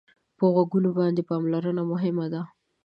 په غوږو باندې پاملرنه مهمه ده.